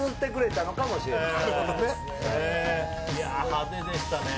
派手でしたね。